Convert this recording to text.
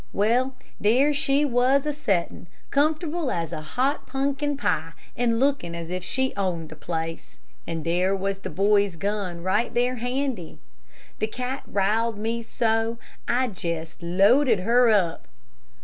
"Well, there she was a settin', comfortable as a hot punkin pie, and lookin' as if she owned the place. And there was the boy's gun right there handy. The cat riled me so, I jest loaded her up.